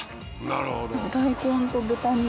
なるほど。